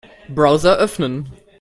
Browser öffnen.